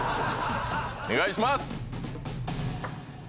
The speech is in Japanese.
お願いします！